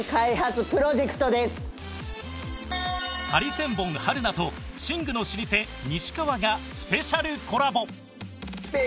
ハリセンボン春菜と寝具の老舗西川がスペシャルコラボ！